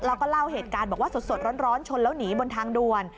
แล้วก็เล่าเหตุการณ์บอกว่าสดร้อนชนแล้วหนีบนทางด่วน